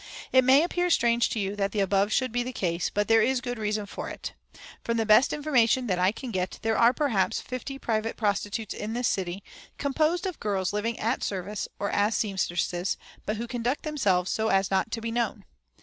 "It may appear strange to you that the above should be the case, but there is good reason for it. From the best information that I can get there are perhaps fifty private prostitutes in this city, composed of girls living at service or as seamstresses, but who conduct themselves so as not to be known.